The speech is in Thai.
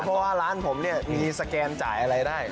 เพราะว่าร้านผมเนี่ยมีสแกนจ่ายอะไรได้